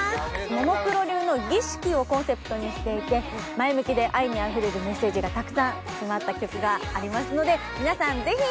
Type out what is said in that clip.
ももクロ流の儀式をコンセプトにしていて前向きで愛にあふれるメッセージがたくさん詰まった曲がありますので皆さんぜひ。